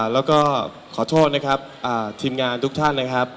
แล้วก็ขอโทษนะครับทีมงานทุกท่านนะครับ